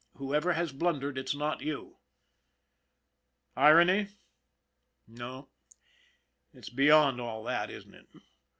" Whoever has blundered, it's not you." Irony? No. It's beyond all that, isn't it?